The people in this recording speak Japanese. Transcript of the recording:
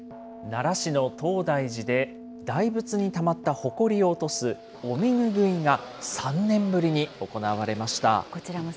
奈良市の東大寺で、大仏にたまったほこりを落とすお身拭いが３年ぶりに行われました。